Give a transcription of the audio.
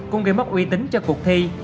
cũng gây mất uy tín cho cuộc thi